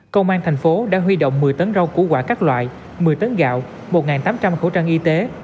công an thành phố đã huy động một mươi tấn rau củ quả các loại một mươi tấn gạo một tám trăm linh khẩu trang y tế